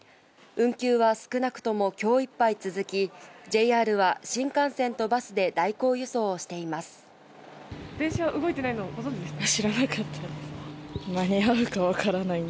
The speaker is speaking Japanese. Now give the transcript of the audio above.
運休は少なくとも今日いっぱい続き、ＪＲは新幹線とバスで代行輸送をしています。